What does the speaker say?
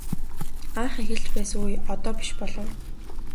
Анх эхэлж байсан үе одоо биш болов.